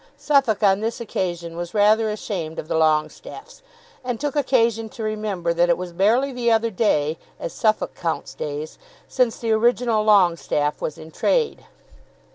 Suffolk on this occasion was rather ashamed of the Longestaffes, and took occasion to remember that it was barely the other day, as Suffolk counts days, since the original Longestaffe was in trade.